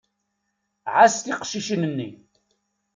Ɛass tiqcicin-nni.